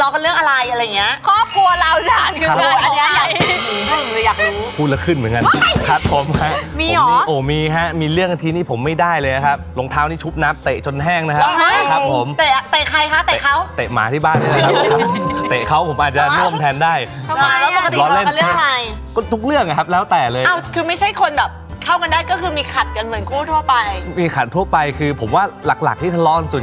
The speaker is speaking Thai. ครับผมครับมีอ่อมีครับมีเรื่องที่นี่ผมไม่ได้เลยนะครับรองเท้านี่ชุบนับเตะจนแห้งนะครับครับผมเตะใครคะเตะเขาเตะหมาที่บ้าน